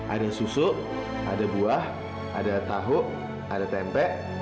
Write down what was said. ada susu ada buah ada tahu ada tempe